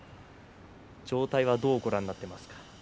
状態はどうご覧になっていますか？